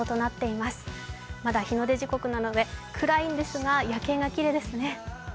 まだ日の出時刻なので暗いんですが夜景がきれいですね。